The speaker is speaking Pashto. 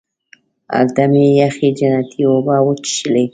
هلته مې یخې جنتي اوبه وڅښلې.